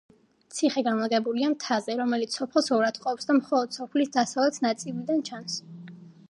ციხე განლაგებულია მთაზე, რომელიც სოფელს ორად ჰყოფს და მხოლოდ სოფლის დასავლეთ ნაწილიდან ჩანს.